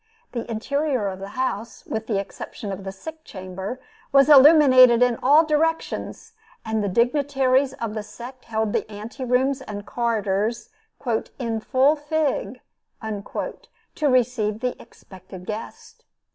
The interior of the house, with the exception of the sick chamber, was illuminated in all directions, and the dignitaries of the sect held the ante rooms and corridors, "in full fig," to receive the expected guest.